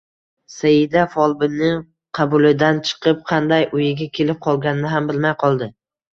Saida folbinning qabulidan chiqib, qanday uyiga kelib qolganini ham bilmay qoldi